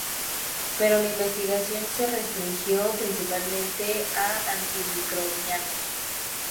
Pero la investigación se restringió principalmente a antimicrobianos.